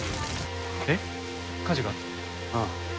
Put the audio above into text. えっ火事が？ああ。